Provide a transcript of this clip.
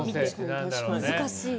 難しいな。